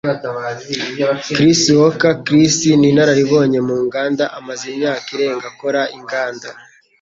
Chris Hockey Chris ni inararibonye mu nganda amaze imyaka irenga akora inganda.